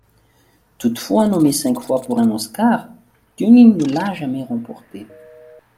Toutefois nommé cinq fois pour un Oscar, Duning ne l'a jamais remporté.